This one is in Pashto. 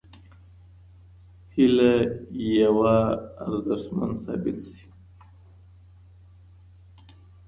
هيله يوه: ارزښت ثابت شي.